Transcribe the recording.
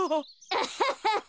アハハハ！